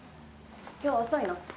今日遅いの？